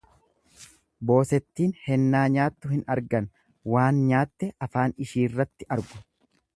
Boosettiin hennaa nyaattu hin argan waan nyaatte afaan ishiirratti argu.